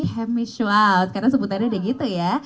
hemish wow karena sebutannya udah gitu ya